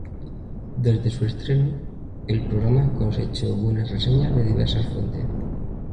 Desde su estreno, el programa cosechó buenas reseñas de diversas fuentes.